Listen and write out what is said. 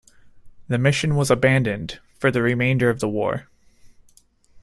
The mission was abandoned for the remainder of the war.